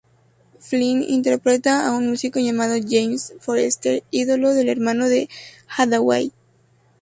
Flynn interpreta a un músico llamado James Forester, ídolo del hermano de Hathaway.